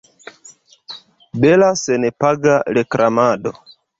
Bela senpaga reklamado.